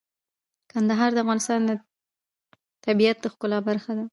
کندهار د افغانستان د طبیعت د ښکلا برخه ده.